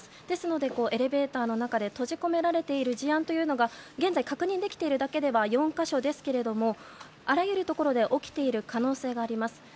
ですので、エレベーターの中で閉じ込められている事案が現在、確認できているだけでは４か所ですけれどもあらゆるところで起きている可能性があります。